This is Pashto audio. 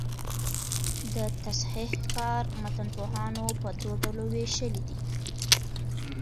د تصحیح کار متنپوهانو په درو ډلو ویشلی دﺉ.